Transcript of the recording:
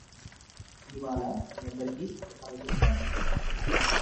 ఇవాళ మీ అందరికి ఒక కథ చెపుతాను